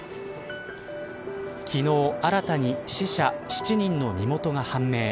昨日、新たに死者７人の身元が判明。